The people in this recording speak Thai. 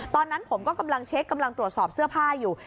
ตอนนั้นผมก็กำลังเช็คกำลังตรวจสอบเสื้อผ้าอยู่